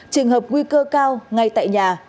trường hợp nguy cơ cao ngay tại nhà